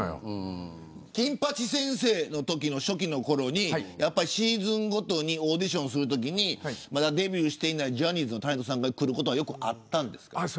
金八先生の初期のころにシーズンごとにオーディションをするときにデビューしていないジャニーズのタレントが来ることはあったんですか。